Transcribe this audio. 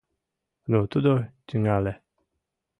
Ну тудо тӱҥале: